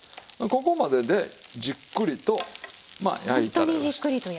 ここまででじっくりとまあ焼いたらよろしい。